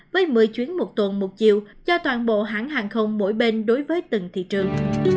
với một mươi chuyến một tuần một chiều cho toàn bộ hãng hàng không mỗi bên đối với từng thị trường